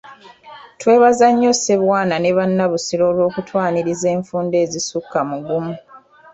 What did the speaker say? Twebaza nnyo Ssebwana ne Bannabusiro olw'okutwaniriza enfunda ezisukka mu gumu.